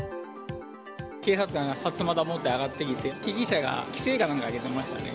警察官がさすまた持って上がってきて、被疑者が奇声かなんか上げてましたね。